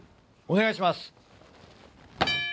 お願いします。